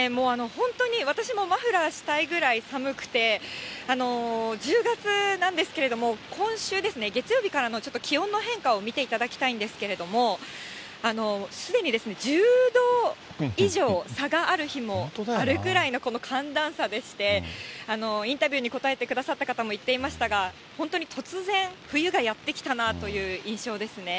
本当に私もマフラーしたいぐらい寒くて、１０月なんですけれども、今週ですね、月曜日からのちょっと気温の変化を見ていただきたいんですけれども、すでに１０度以上、差がある日もあるぐらいのこの寒暖差でして、インタビューに答えてくださった方も言っていましたが、本当に突然、冬がやって来たなという印象ですね。